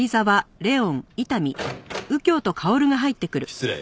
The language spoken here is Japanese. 失礼。